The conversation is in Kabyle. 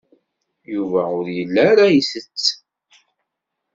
Yuba ur yelli ara isett.